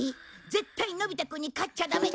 絶対にのび太くんに勝っちゃダメ。